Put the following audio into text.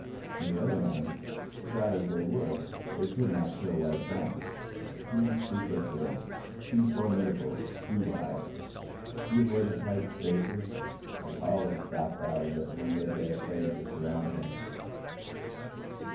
On the other hand, try as they would, they could not kill White Fang. He was too quick for them, too formidable, too wise. He avoided tight places and always backed out of it when they bade fair to surround him.